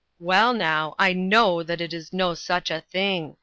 Well, now, I know that it is no such a thing.